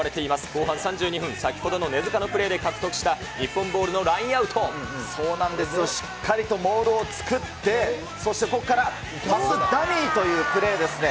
後半３２分、先ほどの根塚のプレーで獲得した日本ボールのラインそうなんですよ、しっかりとモールと作って、そしてここからパスダミーというプレーですね。